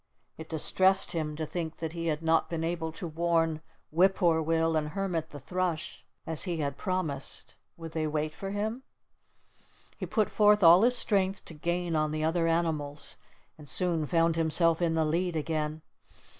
It distressed him to think that he had not been able to warn Whip Poor Will and Hermit the Thrush as he had promised. Would they wait for him? He put forth all his strength to gain on the other animals, and soon found himself in the lead again.